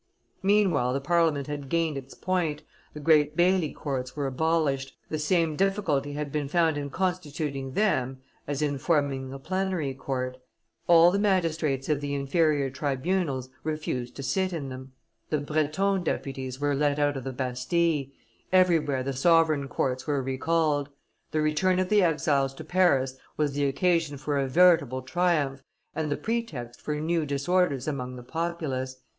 Meanwhile the Parliament had gained its point, the great baillie courts were abolished; the same difficulty had been found in constituting them as in forming the plenary court; all the magistrates of the inferior tribunals refused to sit in them; the Breton deputies were let out of the Bastille; everywhere the sovereign courts were recalled. The return of the exiles to Paris was the occasion for a veritable triumph and the pretext for new disorders among the populace.